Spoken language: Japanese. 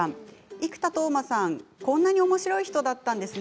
生田斗真さん、こんなにおもしろい人だったんですね。